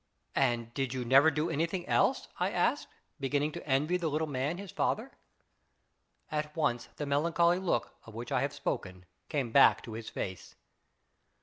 " And did you never do anything else ?" I asked, beginning to envy the little man his father. At once the melancholy look, of which I have spoken, came back to his face.